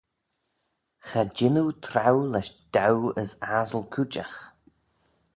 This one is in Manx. Cha jean oo traaue lesh dow as assyl cooidjagh.